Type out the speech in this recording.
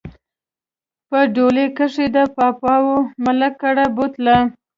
په ډولۍ کښې د پاپاوي ملک کره بوتله